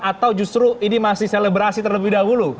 atau justru ini masih selebrasi terlebih dahulu